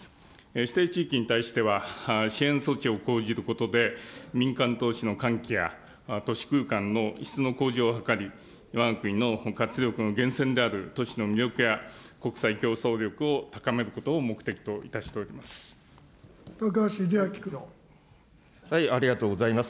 指定地域に対しては、支援措置を講じることで、民間投資の喚起や、都市空間の質の向上を図り、わが国の活力の源泉である都市の魅力や、国際競争力を高めることを目的といたしております。